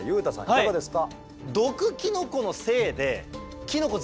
いかがですか？